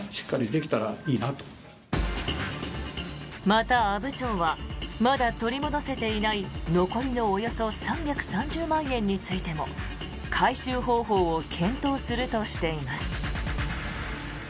また、阿武町はまだ取り戻せていない残りのおよそ３３０万円についても回収方法を検討するとしています。